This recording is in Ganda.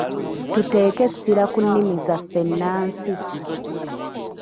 Tuteeke essira ki nnimi zaffe ennansi.